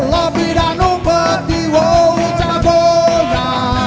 lebih dan umpeti waw ucagonya